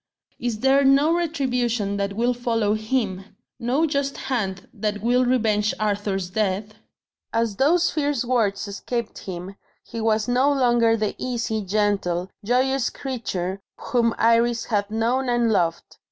is there no retribution that will follow him? no just hand that will revenge Arthur's death?" As those fierce words escaped him, he was no longer the easy, gentle, joyous creature whom Iris had known and loved.